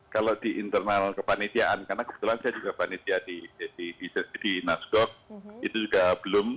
kalau di internal kepanitiaan karena kebetulan saya juga panitia di nasgog itu juga belum